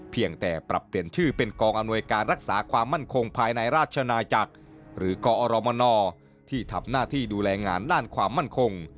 เพียงแต่ปรับเปลี่ยนชื่อเป็นกองอำนวยการรักษาความมั่นคงภายในราชนาจักรหรือกอรมนที่ทำหน้าที่ดูแลงานด้านความมั่นคง